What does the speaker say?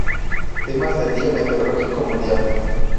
Temas del Día Meteorológico Mundial